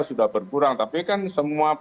sudah berkurang tapi kan semua